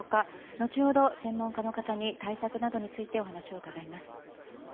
後ほど専門家の方に対策などについてお話を伺います。